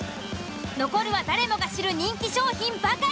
残るは誰もが知る人気商品ばかり。